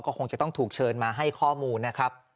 ก็คงจะต้องถูกเชิญมาให้ข้อมูลนะครับ